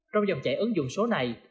trong dòng chạy ứng dụng số này